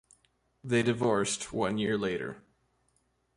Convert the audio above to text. They divorced one year later.